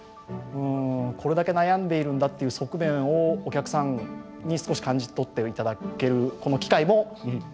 うんこれだけ悩んでいるんだっていう側面をお客さんに少し感じ取って頂けるこの機会も。